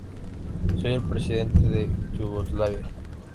Soy el presidente de Yugoslavia.